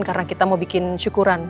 karena kita mau bikin syukuran